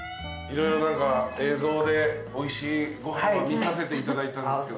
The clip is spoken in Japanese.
色々何か映像でおいしいご飯は見させていただいたんですけども。